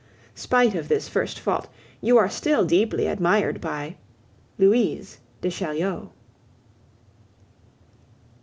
Spite of this first fault, you are still deeply admired by LOUISE DE CHAULIEU.